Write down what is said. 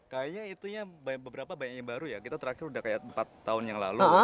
kayaknya itunya beberapa banyak yang baru ya kita terakhir udah kayak empat tahun yang lalu